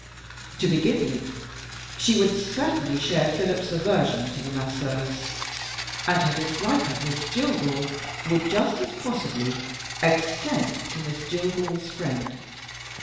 To begin with, she would certainly share Philip's aversion to the Masseuse, and her dislike of Miss Jillgall would, just as possibly, extend to Miss Jillgall's friend.